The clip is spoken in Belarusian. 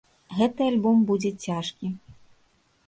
Гэты альбом будзе цяжкі.